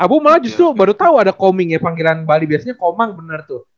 abu malah justru baru tahu ada koming ya panggilan bali biasanya komang bener tuh